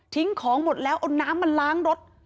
ทิ้งของหมดแล้วน้ำมันล้างรถ